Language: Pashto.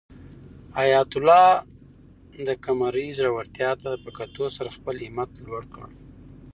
حیات الله د قمرۍ زړورتیا ته په کتو سره خپل همت لوړ کړ.